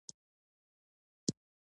خدای مهربان دی